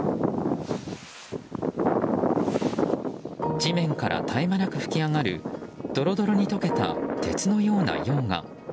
地面から絶え間なく噴き上がるドロドロに溶けた鉄のような溶岩。